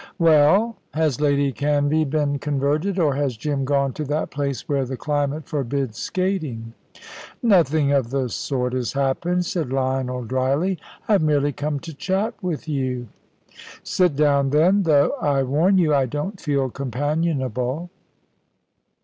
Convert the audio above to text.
Well? Has Lady Canvey been converted, or has Jim gone to that place where the climate forbids skating?" "Nothing of the sort has happened," said Lionel, dryly. "I have merely come to chat with you." "Sit down, then, though I warn you I don't feel companionable."